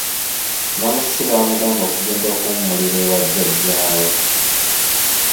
Namusisi baamugamba okugenda okuwummulira ewa jjajjaawe.